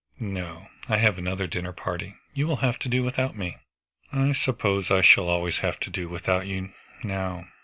"No. I have another dinner party. You will have to do without me." "I suppose I shall always have to do without you, now."